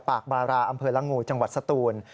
ปากบาราอำเภอละงูจังหวัดสตูน